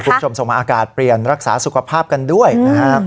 คุณผู้ชมส่งมาอากาศเปลี่ยนรักษาสุขภาพกันด้วยนะฮะ